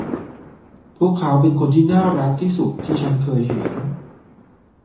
พวกเขาเป็นคนที่น่ารักที่สุดที่ฉันเคยเห็น